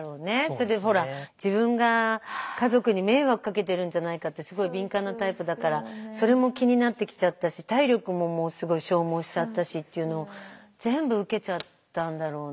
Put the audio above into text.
それでほら自分が家族に迷惑かけてるんじゃないかってすごい敏感なタイプだからそれも気になってきちゃったし体力ももうすごい消耗しちゃったしっていうのを全部受けちゃったんだろうね。